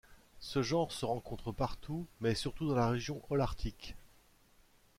Ce genre se rencontre partout, mais surtout dans la région holarctique.